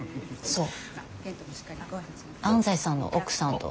そう。